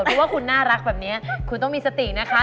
เพราะว่าคุณน่ารักแบบนี้คุณต้องมีสตินะคะ